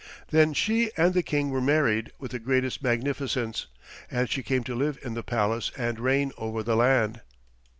Then she and the King were married with the greatest magnificence, and she came to live in the palace and reign over the land.